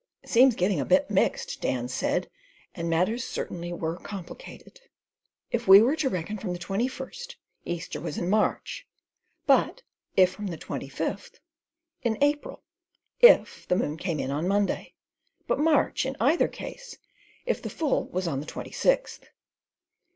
"Seems getting a bit mixed," Dan said, and matters were certainly complicated. If we were to reckon from the twenty first, Easter was in March, but if from the twenty fifth, in April—if the moon came in on Monday, but March in either case if the full was on the twenty sixth.